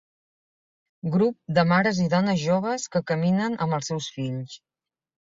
Grup de mares i dones joves que caminen amb els seus fills.